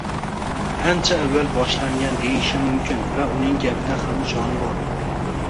ancha avval boshlangan deyishi mumkin va uning gapida ham jon bor.